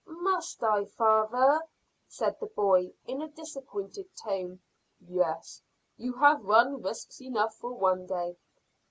"Must I, father?" said the boy, in a disappointed tone. "Yes. You have run risks enough for one day."